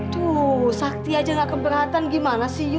tuh sakti aja nggak keberatan gimana sih you